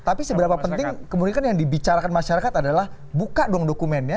tapi seberapa penting kemudian kan yang dibicarakan masyarakat adalah buka dong dokumennya